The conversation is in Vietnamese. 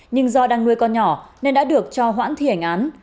nhưng do đang nuôi con nhỏ nên đã được cho hoãn thi hành án